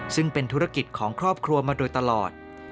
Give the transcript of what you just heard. ซึ่งเป็นธุรกิจของครอบครัวมาโดยตลอด